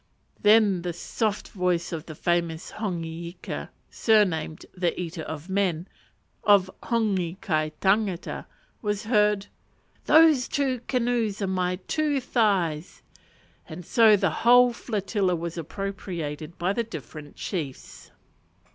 Then the soft voice of the famous Hongi Ika, surnamed "The eater of men," of Hongi kai tangata, was heard, "Those two canoes are my two thighs." And so the whole flotilla was appropriated by the different chiefs.